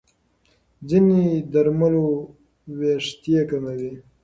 ځینې درملو وېښتې کموي.